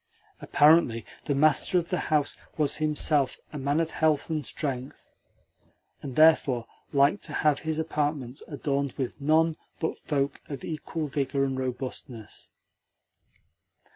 Apparently the master of the house was himself a man of health and strength, and therefore liked to have his apartments adorned with none but folk of equal vigour and robustness.